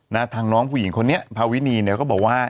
ทางน้องผู้หญิงคนนี้ภาวินีเนี่ยก็บอกว่า